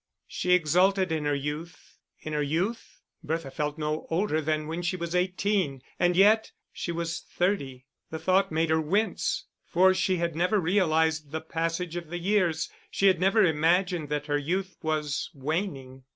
She exulted in her youth in her youth? Bertha felt no older than when she was eighteen, and yet she was thirty. The thought made her wince; for she had never realised the passage of the years, she had never imagined that her youth was waning.